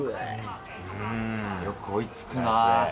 よく追いつくな。